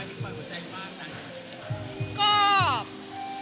มีความหัวใจบ้างในการเป็นแฟน